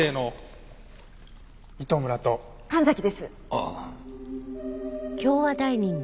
ああ。